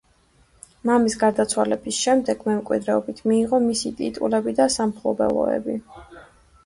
მამის გარდაცვალების შემდეგ მემკვიდრეობით მიიღო მისი ტიტულები და სამფლობელოები.